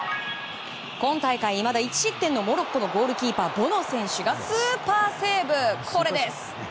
今大会、いまだ１失点のモロッコのゴールキーパーボノ選手がスーパーセーブ！